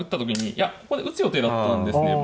いやここで打つ予定だったんですね。